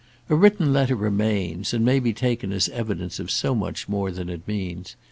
A written letter remains, and may be taken as evidence of so much more than it means.